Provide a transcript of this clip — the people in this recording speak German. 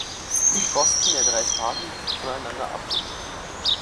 Die Kosten der drei Phasen sind voneinander abhängig.